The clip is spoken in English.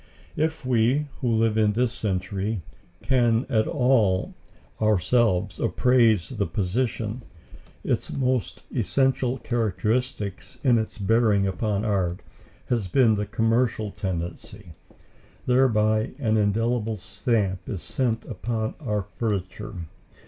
If we, who live in this century, can at all ourselves appraise the position, its most essential characteristic in its bearing upon art has been the commercial tendency. Thereby an indelible stamp is set upon our furniture.